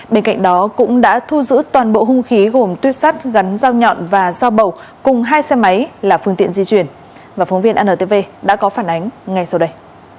bên cạnh đó cũng đã thu giữ toàn bộ hung khí gồm tuyếp sắt gắn dao nhọn và dao bầu cùng hai xe máy là phương tiện di chuyển và phóng viên antv đã có phản ánh ngay sau đây